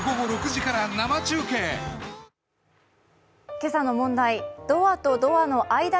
今朝の問題。